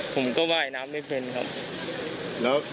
ผมก็ว่ายน้ำไม่เป็นครับ